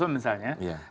misalnya soekar sutioso